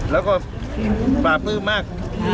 และก็ปราบรื่นมาก